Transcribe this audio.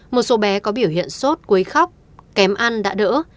một số bé có biểu hiện sốt quấy khóc kém ăn đã đỡ